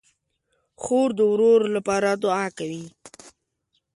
خور د ورور لپاره دعا کوي.